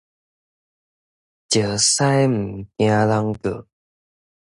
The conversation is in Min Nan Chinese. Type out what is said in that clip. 石獅嘛驚人告